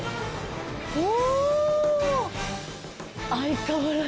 お！